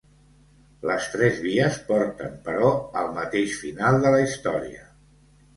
Les tres vies porten però al mateix final de la història.